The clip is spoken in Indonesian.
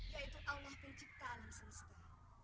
yaitu allah pencipta alam semesta